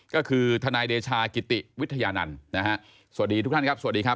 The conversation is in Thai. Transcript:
ก็คือทนายเดชากิติวิทยานันต์นะฮะสวัสดีทุกท่านครับสวัสดีครับ